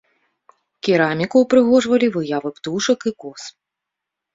Кераміку ўпрыгожвалі выявы птушак і коз.